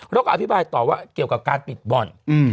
แล้วก็อธิบายต่อว่าเกี่ยวกับการปิดบ่อน